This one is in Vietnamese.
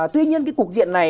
tuy nhiên cái cục diện này